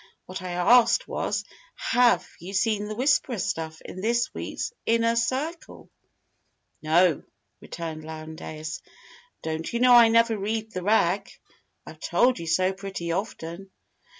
... What I asked was, have you seen 'the Whisperer stuff' in this week's Inner Circle?" "No," returned Lowndes. "Don't you know I never read the rag? I've told you so pretty often."